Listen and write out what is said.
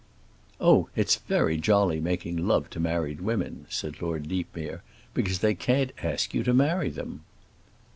"Oh, it's very jolly making love to married women," said Lord Deepmere, "because they can't ask you to marry them."